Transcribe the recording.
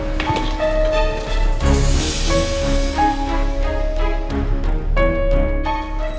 tidak ada yang bisa